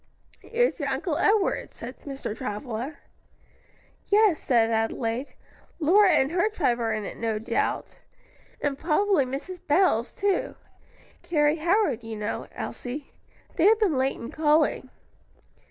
"It is your Uncle Edward's," said Mr. Travilla. "Yes," said Adelaide, "Lora and her tribe are in it, no doubt; and probably Mrs. Bowles too (Carrie Howard you know, Elsie). They have been late in calling."